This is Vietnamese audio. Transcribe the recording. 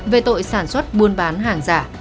về tội sản xuất buôn bán hàng giả